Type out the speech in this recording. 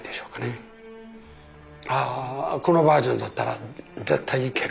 ああこのバージョンだったら絶対いける